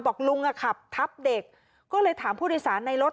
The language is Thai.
บอกลุงอ่ะขับทับเด็กก็เลยถามผู้โดยสารในรถ